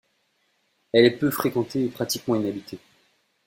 Elle est peu fréquentée et pratiquement inhabitée.